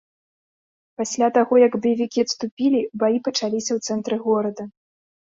Пасля таго, як баевікі адступілі, баі пачаліся ў цэнтры горада.